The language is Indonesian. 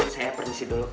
saya percis dulu